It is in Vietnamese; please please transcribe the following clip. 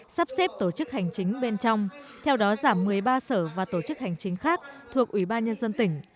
sắp xếp tổ chức hành chính bên trong theo đó giảm một mươi ba sở và tổ chức hành chính khác thuộc ủy ban nhân dân tỉnh